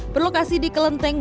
berlokasi di kelenteng